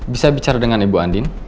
bisa bicara dengan ibu andin